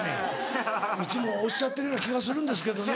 いつもおっしゃってるような気がするんですけどね。